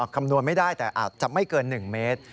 คำนวณไม่ได้แต่อาจจะไม่เกิน๑เมตร